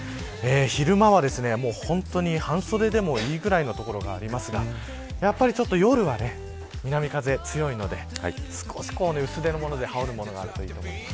昼間は本当に半袖でもいいくらいの所がありますが夜は南風、強いので少し薄手のもので羽織るものがあるといいと思います。